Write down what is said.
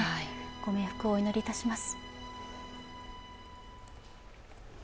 ご冥福をお祈りいたします。